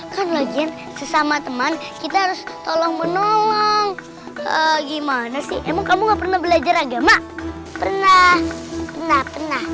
kita harus tolong menolong gimana sih emang kamu nggak pernah belajar agama pernah pernah